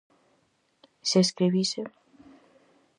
Se escribise.